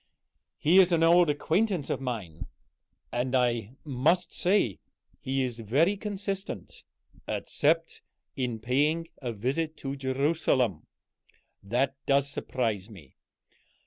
"He is an old acquaintance of mine. And I must say he is very consistent except in paying a visit to Jerusalem. That does surprise me.